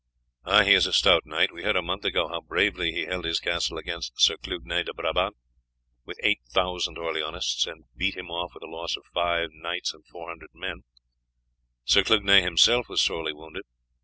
"He is a stout knight. We heard a month ago how bravely he held his castle against Sir Clugnet de Brabant with 8000 Orleanists, and beat him off with a loss of five knights and 400 men. Sir Clugnet himself was sorely wounded.